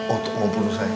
untuk membunuh saya